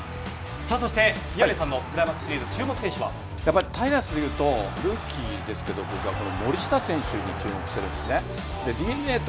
そして宮根さんのクライマックスシリーズタイガースでいうとルーキーですけど森下選手に注目しているんです。